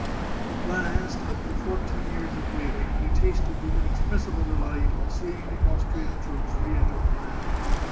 At last, after fourteen years of waiting, he tasted the inexpressible delight of seeing the Austrian troops re enter Milan.